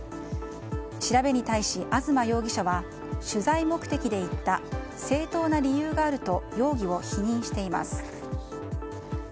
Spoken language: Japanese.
調べに対し、東容疑者は取材目的で行った正当な理由があると容疑を否認しています。